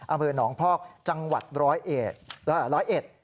อำเภอหนองพอกจังหวัดร้อยเอด